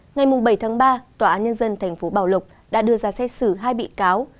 ngày bảy tháng ba tòa án nhân dân tp bảo lộc đã đưa ra xét xử hai bị cáo